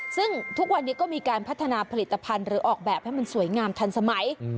ซึ่งทุกวันนี้ก็มีการพัฒนาผลิตภัณฑ์หรือออกแบบให้มันสวยงามทันสมัย